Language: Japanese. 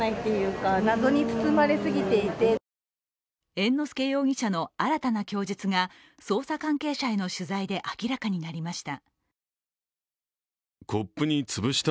猿之助容疑者の新たな供述が捜査関係者への取材で明らかになりました。